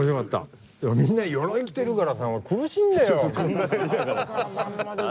みんな鎧着てるからさ苦しいんだよ。